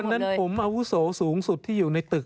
ดังนั้นผมอาวุโสสูงสุดที่อยู่ในตึก